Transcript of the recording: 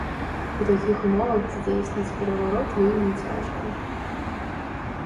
У такіх умовах здзейсніць пераварот вельмі цяжка.